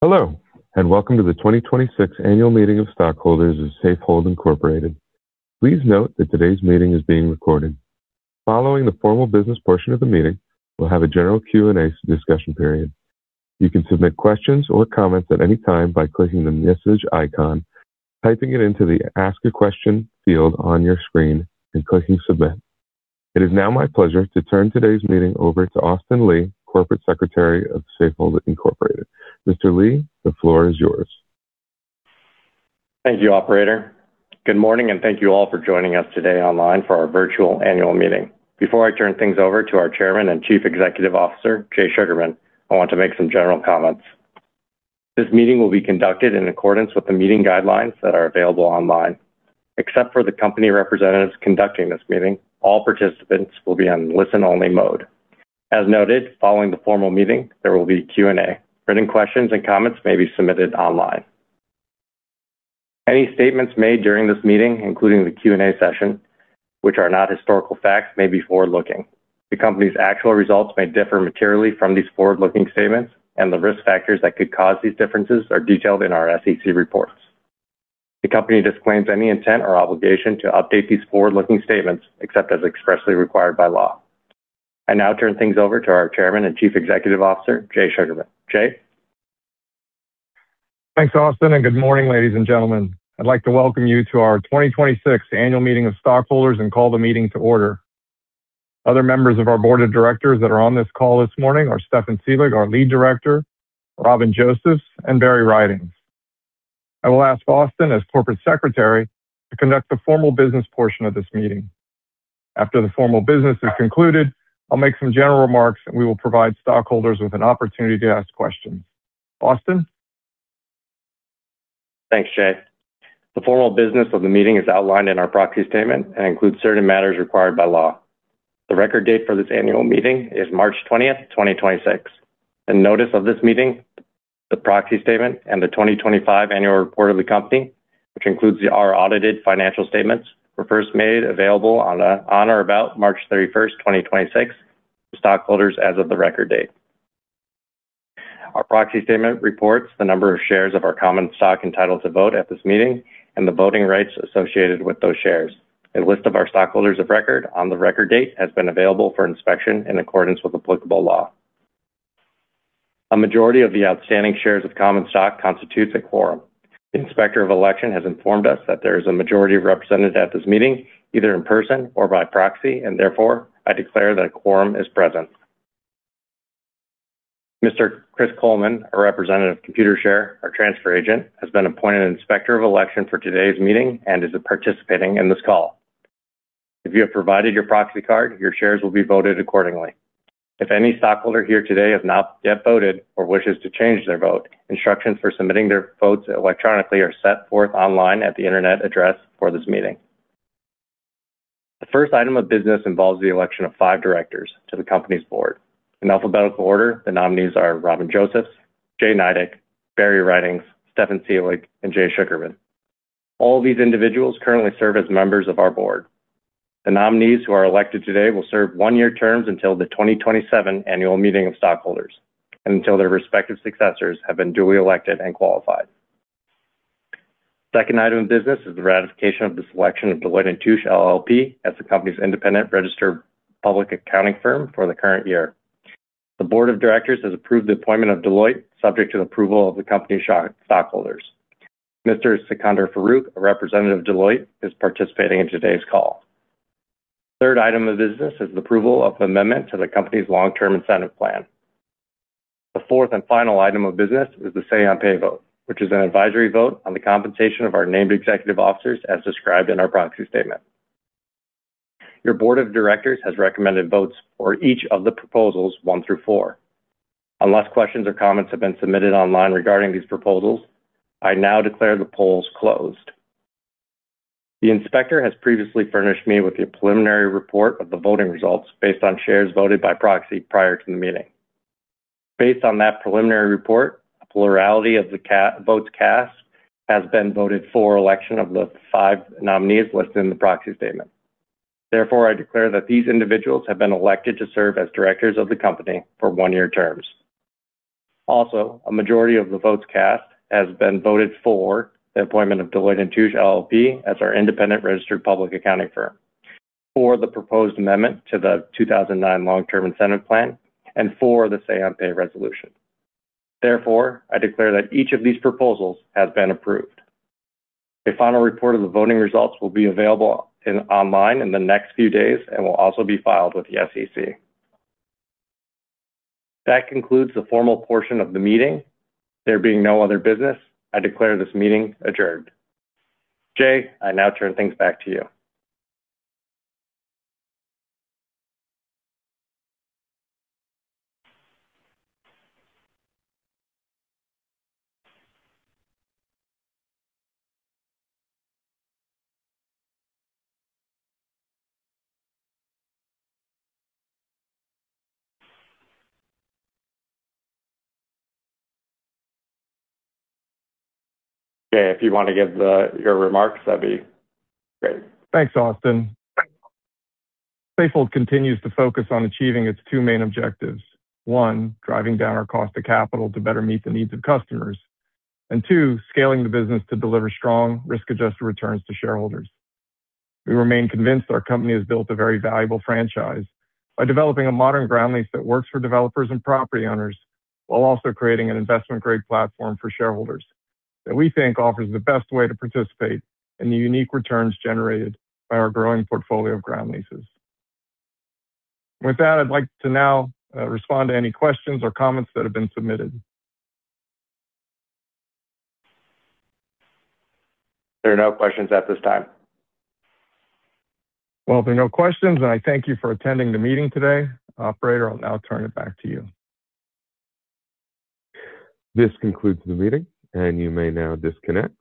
Hello, welcome to the 2026 Annual Meeting of Stockholders of Safehold Inc. Please note that today's meeting is being recorded. Following the formal business portion of the meeting, we'll have a general Q&A discussion period. You can submit questions or comments at any time by clicking the message icon, typing it into the Ask a Question field on your screen, and clicking Submit. It is now my pleasure to turn today's meeting over to Austin Lee, Corporate Secretary of Safehold Inc.. Mr. Lee, the floor is yours. Thank you, operator. Good morning, and thank you all for joining us today online for our virtual annual meeting. Before I turn things over to our Chairman and Chief Executive Officer, Jay Sugarman, I want to make some general comments. This meeting will be conducted in accordance with the meeting guidelines that are available online. Except for the company representatives conducting this meeting, all participants will be on listen-only mode. As noted, following the formal meeting, there will be Q&A. Written questions and comments may be submitted online. Any statements made during this meeting, including the Q&A session, which are not historical facts, may be forward-looking. The company's actual results may differ materially from these forward-looking statements and the risk factors that could cause these differences are detailed in our SEC reports. The company disclaims any intent or obligation to update these forward-looking statements, except as expressly required by law. I now turn things over to our Chairman and Chief Executive Officer, Jay Sugarman. Jay? Thanks, Austin, and good morning, ladies and gentlemen. I'd like to welcome you to our 2026 Annual Meeting of Stockholders and call the meeting to order. Other members of our board of directors that are on this call this morning are Stefan Selig, our Lead Director, Robin Josephs, and Barry Ridings. I will ask Austin, as Corporate Secretary, to conduct the formal business portion of this meeting. After the formal business is concluded, I'll make some general remarks, and we will provide stockholders with an opportunity to ask questions. Austin? Thanks, Jay. The formal business of the meeting is outlined in our proxy statement and includes certain matters required by law. The record date for this annual meeting is March 20, 2026. The notice of this meeting, the proxy statement, and the 2025 Annual Report of the company, which includes our audited financial statements, were first made available on or about March 31, 2026 to stockholders as of the record date. Our proxy statement reports the number of shares of our common stock entitled to vote at this meeting and the voting rights associated with those shares. A list of our stockholders of record on the record date has been available for inspection in accordance with applicable law. A majority of the outstanding shares of common stock constitutes a quorum. The Inspector of Election has informed us that there is a majority represented at this meeting, either in person or by proxy, and therefore, I declare that a quorum is present. Mr. Chris Coleman, a representative of Computershare, our transfer agent, has been appointed an Inspector of Election for today's meeting and is participating in this call. If you have provided your proxy card, your shares will be voted accordingly. If any stockholder here today has not yet voted or wishes to change their vote, instructions for submitting their votes electronically are set forth online at the internet address for this meeting. The first item of business involves the election of 5 directors to the company's board. In alphabetical order, the nominees are Robin Josephs, Jay Nydick, Barry Ridings, Stefan M. Selig, and Jay Sugarman. All these individuals currently serve as members of our board. The nominees who are elected today will serve one-year terms until the 2027 Annual Meeting of Stockholders and until their respective successors have been duly elected and qualified. Second item of business is the ratification of the selection of Deloitte & Touche LLP as the company's independent registered public accounting firm for the current year. The board of directors has approved the appointment of Deloitte, subject to the approval of the company's stockholders. Mr. Sikander Farooq, a representative of Deloitte, is participating in today's call. Third item of business is approval of the amendment to the company's Long-Term Incentive Plan. The fourth and final item of business is the say-on-pay vote, which is an advisory vote on the compensation of our named executive officers as described in our proxy statement. Your board of directors has recommended votes for each of the proposals one through four. Unless questions or comments have been submitted online regarding these proposals, I now declare the polls closed. The Inspector has previously furnished me with a preliminary report of the voting results based on shares voted by proxy prior to the meeting. Based on that preliminary report, a plurality of the votes cast has been voted for election of the five nominees listed in the proxy statement. Therefore, I declare that these individuals have been elected to serve as directors of the company for one-year terms. Also, a majority of the votes cast has been voted for the appointment of Deloitte & Touche LLP as our independent registered public accounting firm for the proposed amendment to the 2009 Long-Term Incentive Plan and for the say-on-pay resolution. Therefore, I declare that each of these proposals has been approved. A final report of the voting results will be available in online in the next few days and will also be filed with the SEC. That concludes the formal portion of the meeting. There being no other business, I declare this meeting adjourned. Jay, I now turn things back to you. Jay, if you wanna give your remarks, that'd be great. Thanks, Austin. Safehold continues to focus on achieving its two main objectives: One, driving down our cost of capital to better meet the needs of customers. Two, scaling the business to deliver strong risk-adjusted returns to shareholders. We remain convinced our company has built a very valuable franchise by developing a modern ground lease that works for developers and property owners while also creating an investment-grade platform for shareholders that we think offers the best way to participate in the unique returns generated by our growing portfolio of ground leases. With that, I'd like to now respond to any questions or comments that have been submitted. There are no questions at this time. Well, if there are no questions, I thank you for attending the meeting today. Operator, I'll now turn it back to you. This concludes the meeting, and you may now disconnect.